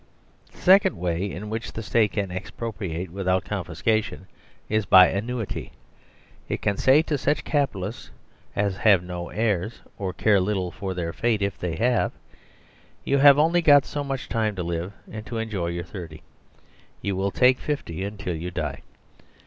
The second way in which the State can expropriate with out confiscation is by annuity. It can say to such Capital ists as have no heirs or care little for their fate if they have :" You have only got so much time to live and to enjoy your 30, will you take ^50 until you die?"